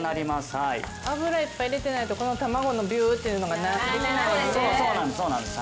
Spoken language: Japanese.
はい油いっぱい入れてないとこの卵のビューっていうのがそうなんですそうなんです